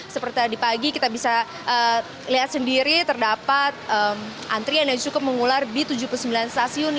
seperti tadi pagi kita bisa lihat sendiri terdapat antrian yang cukup mengular di tujuh puluh sembilan stasiun